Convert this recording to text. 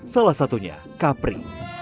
salah satunya kapri